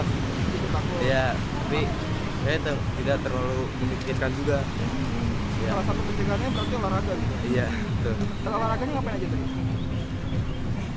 kalau olahraganya ngapain aja tuh